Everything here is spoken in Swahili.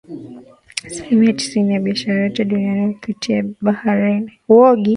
Asilimia tisini ya biashara yote duniani hupitia baharini